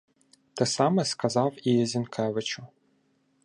Те саме сказав і Зін- кевичу.